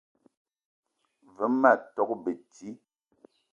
Ve ma tok beti